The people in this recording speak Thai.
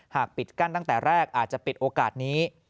ปิดกั้นตั้งแต่แรกอาจจะปิดโอกาสนี้